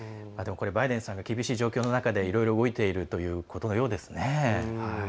バイデンさんが厳しい状況の中でいろいろ、動いているということのようですね。